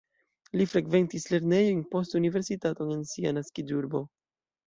Li frekventis lernejojn, poste universitaton en sia naskiĝurbo.